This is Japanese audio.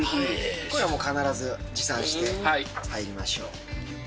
これはもう必ず持参して入りましょう。